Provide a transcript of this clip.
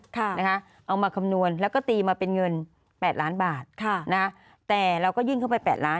ค่ะนะคะเอามาคำนวณแล้วก็ตีมาเป็นเงินแปดล้านบาทค่ะนะแต่เราก็ยื่นเข้าไปแปดล้าน